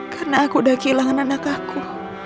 karena aku udah kehilangan anak aku